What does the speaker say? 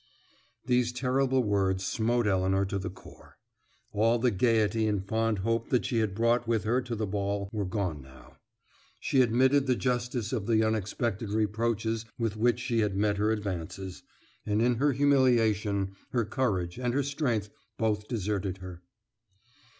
These terrible words smote Elinor to the core. All the gaiety and fond hope that she had brought with her to the ball were gone now. She admitted the justice of the unexpected reproaches with which he had met her advances, and in her humiliation, her courage and her strength both deserted her.